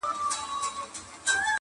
ساقي زده له صراحي مي د زړه رازکی-